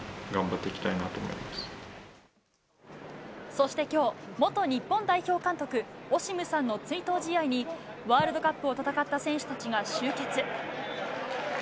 そして今日、元日本代表監督・オシムさんの追悼試合にワールドカップを戦った選手たちが集結。